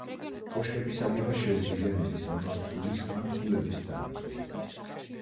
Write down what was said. კოშკების აგება შეუძლია ნებისმიერს ფულის ან ქულების სანაცვლოდ.